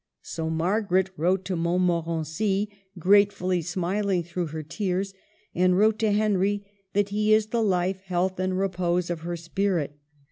So Margaret wrote to Montmorency, grate fully smiling through her tears, and wrote to Henry that he is the *' life, health, and repose of her spirit."